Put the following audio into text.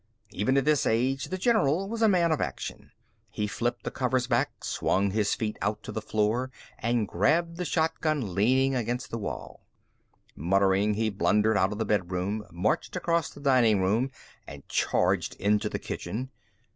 Even at his age, the general was a man of action. He flipped the covers back, swung his feet out to the floor and grabbed the shotgun leaning against the wall. Muttering, he blundered out of the bedroom, marched across the dining room and charged into the kitchen.